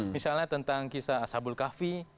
misalnya tentang kisah ashabul kahfi